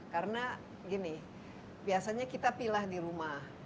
karena gini biasanya kita pilah di rumah